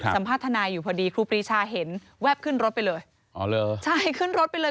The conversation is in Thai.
สัมภาษณ์ทนายอยู่พอดีครูปรีชาเห็นแวบขึ้นรถไปเลยอ๋อเหรอใช่ขึ้นรถไปเลย